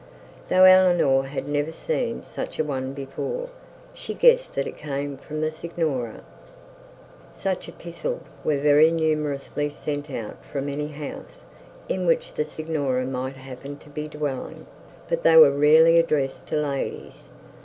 Though Eleanor had never seen such a one before, she guessed that it came from the signora. Such epistles were very numerously sent out from any house in which the signora might happen to be dwelling, but they were rarely addressed to ladies.